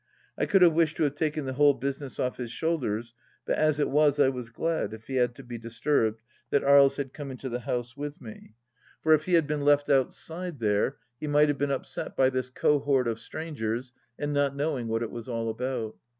I could have wished to have taken the whole business off his shoulders, but as it was I was glad, if he had to be dis turbed, that Aries had come into the house with me, for if 108 THE LAST DITCH he had been left outside there, he might have been upset by this cohort of strangers and not knowing what it was all about.